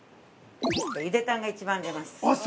◆ゆでたんが一番出ます。